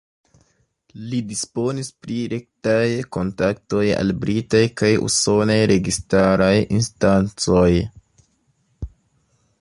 Li disponis pri rektaj kontaktoj al britaj kaj usonaj registaraj instancoj.